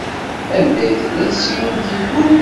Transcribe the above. Anda tella tsiwant-inu?